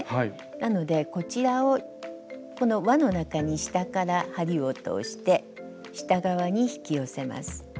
なのでこちらをこのわの中に下から針を通して下側に引き寄せます。